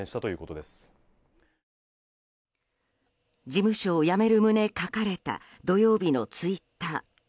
事務所を辞める旨書かれた土曜日のツイッター。